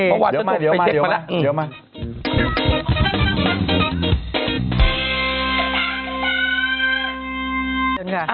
เมื่อวานจะมาเก็บมาแหละ